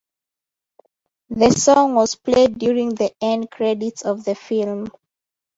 The song was played during the end credits of the film.